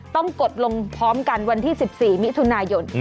กดลงพร้อมกันวันที่๑๔มิถุนายน